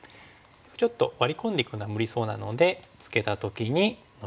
ちょっとワリ込んでいくのは無理そうなのでツケた時にノビぐらいですかね。